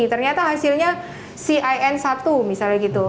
ternyata hasilnya cin satu misalnya gitu